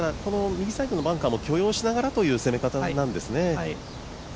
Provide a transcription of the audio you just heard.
右サイドのバンカーも許容しながらという攻め方なんですね。